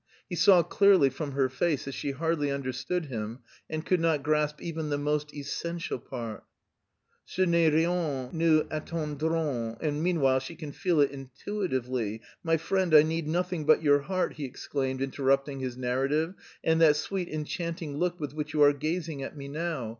He saw clearly from her face that she hardly understood him, and could not grasp even the most essential part. "Ce n'est rien, nous attendrons, and meanwhile she can feel it intuitively.... My friend, I need nothing but your heart!" he exclaimed, interrupting his narrative, "and that sweet enchanting look with which you are gazing at me now.